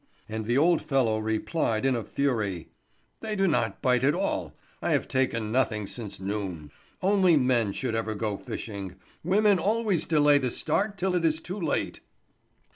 And the old fellow replied in a fury: "They do not bite at all. I have taken nothing since noon. Only men should ever go fishing. Women always delay the start till it is too late."